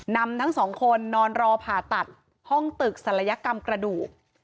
นำทั้งสองคนนอนรอผ่าตัดห้องตึกศัลยกรรมกระดูก